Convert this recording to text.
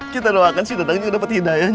kita doakan si dadang juga dapet hidayahnya